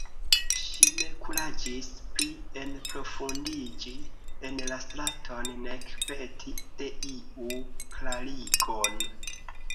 Ŝi ne kuraĝis pli enprofundiĝi en la straton, nek peti de iu klarigon.